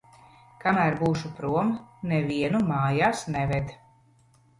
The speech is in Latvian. Kamēr būšu prom, nevienu mājās neved.